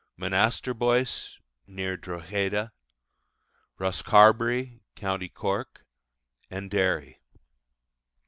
Monasterboice (near Drogheda), Rosscarbery (Co. Cork), and Derry.